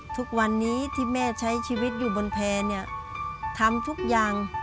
ทุกวันนี้ที่แม่ใช้ชีวิตอยู่บนแพร่เนี่ยทำทุกอย่าง